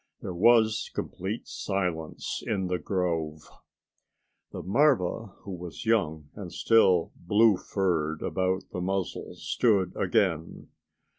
There was complete silence in the grove. The marva who was young and still blue furred about the muzzle stood again.